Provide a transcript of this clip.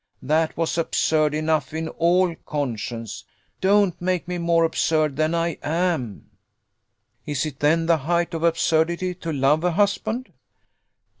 That was absurd enough in all conscience don't make me more absurd than I am." "Is it then the height of absurdity to love a husband?"